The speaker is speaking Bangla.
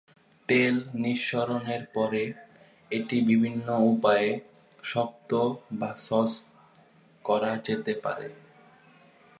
তেল নিঃসরণের পরে, এটি বিভিন্ন উপায়ে শক্ত বা সস করা যেতে পারে।